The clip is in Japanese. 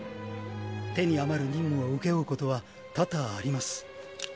手に余る任務を請け負うことは多々あります。